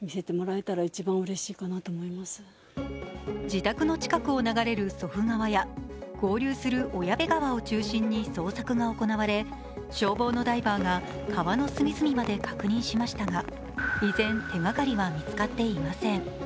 自宅の近くを流れる祖父川や合流する小矢部川を中心に捜索が行われ消防のダイバーが川の隅々まで確認しましたが依然、手がかりは見つかっていません。